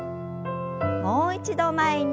もう一度前に。